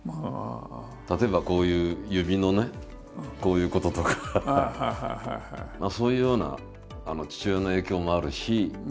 例えばこういう指のねこういうこととかそういうような父親の影響もあるし。